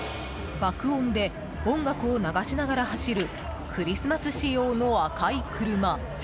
爆音で音楽を流しながら走るクリスマス仕様の赤い車。